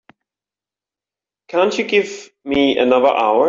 Can't you give me another hour?